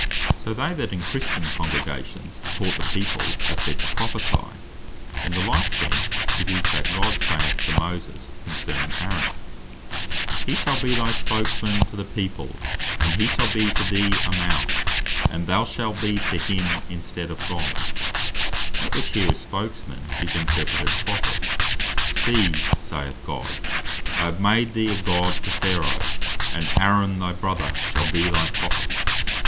Also they that in Christian Congregations taught the people, (1 Cor. 14.3.) are said to Prophecy. In the like sense it is, that God saith to Moses (Exod. 4.16.) concerning Aaron, "He shall be thy Spokes man to the People; and he shall be to thee a mouth, and thou shalt be to him in stead of God;" that which here is Spokesman, is (chap.7.1.) interpreted Prophet; "See (saith God) I have made thee a God to Pharaoh, and Aaron thy Brother shall be thy Prophet."